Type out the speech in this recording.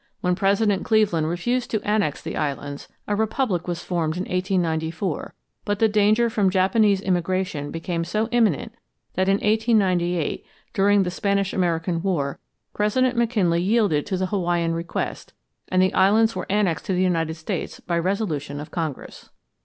When President Cleveland refused to annex the islands, a republic was formed in 1894, but the danger from Japanese immigration became so imminent that in 1898, during the Spanish American War, President McKinley yielded to the Hawaiian request and the islands were annexed to the United States by resolution of Congress.